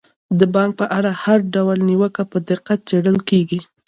د بانک په اړه هر ډول نیوکه په دقت څیړل کیږي.